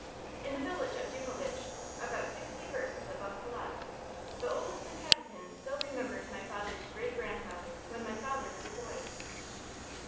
In the village of Yuchovitch, about sixty versts above Polotzk, the oldest inhabitant still remembered my father's great grandfather when my father was a boy.